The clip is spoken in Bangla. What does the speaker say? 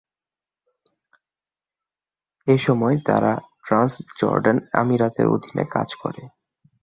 এসময় তারা ট্রান্সজর্ডান আমিরাতের অধীনে কাজ করে।